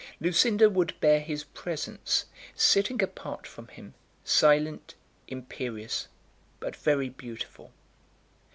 Lucinda would bear his presence, sitting apart from him, silent, imperious, but very beautiful.